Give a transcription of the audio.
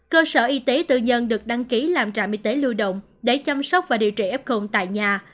cơ sở y tế tư nhân được đăng ký làm trạm y tế lưu động để chăm sóc và điều trị f tại nhà